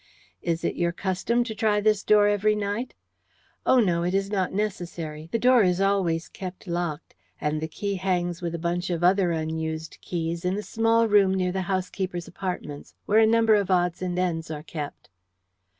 "Is it your custom to try this door every night?" "Oh, no, it is not necessary. The door is always kept locked, and the key hangs with a bunch of other unused keys in a small room near the housekeeper's apartments, where a number of odds and ends are kept."